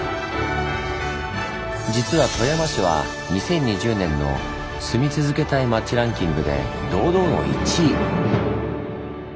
実は富山市は２０２０年の住み続けたい町ランキングで堂々の１位！